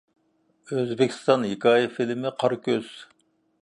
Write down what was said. ئۆزبېكىستان ھېكايە فىلىمى: «قارا كۆز» .